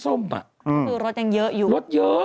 ก็คือรถยังเยอะอยู่รถเยอะ